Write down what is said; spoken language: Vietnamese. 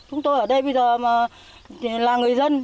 chúng tôi ở đây bây giờ là người dân